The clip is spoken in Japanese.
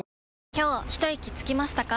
今日ひといきつきましたか？